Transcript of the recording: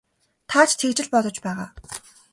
Та ч тэгж л бодож байгаа.